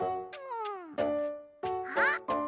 うん。あっ！